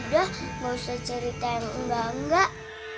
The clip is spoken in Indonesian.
udah gak usah cerita yang enggak enggak